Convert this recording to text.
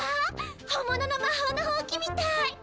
本物の魔法のホウキみたい！